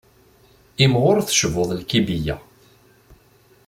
Imɣur tecbuḍ lkibiya.